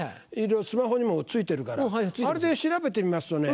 スマホにも付いてるからあれで調べてみますとね